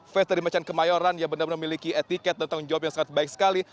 ves dari macan kemayoran yang benar benar memiliki etiket dan tanggung jawab yang sangat baik sekali